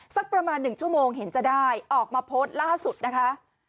สักประมาณ๑ชั่วโมงเห็นจะได้ออกมาโพสต์ล่าสุดนะคะ